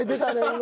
今。